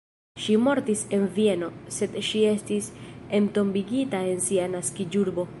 Ŝi mortis en Vieno, sed ŝi estis entombigita en sia naskiĝurbo.